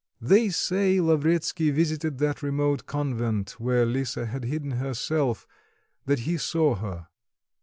They say, Lavretsky visited that remote convent where Lisa had hidden herself that he saw her.